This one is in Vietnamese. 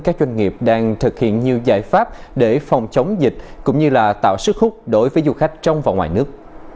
các doanh nghiệp đang thực hiện nhiều giải pháp để phòng chống dịch cũng như là tạo sức hút đối với du khách trong và ngoài nước